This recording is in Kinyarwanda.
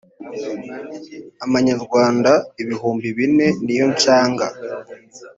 amanyarwanda ibihumbi bine niyo nshanga